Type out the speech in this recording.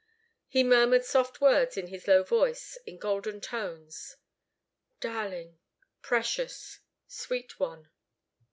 He murmured soft words in his low voice, in golden tones. "Darling precious sweet one!"